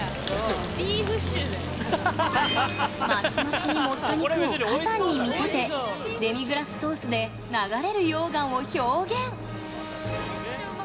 マシマシに盛った肉を火山に見立てデミグラスソースで流れる溶岩を表現。